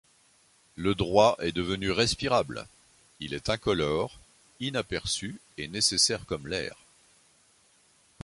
Le droit est devenu respirable ; il est incolore, inaperçu et nécessaire comme l’air.